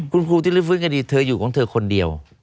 คุณครูที่ลื้อฟื้นคดีเธออยู่ของเธอคนเดียว